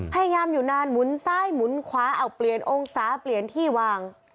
พยายามอยู่นานหมุนซ้ายหมุนขวาเอาเปลี่ยนองศาเปลี่ยนที่วาง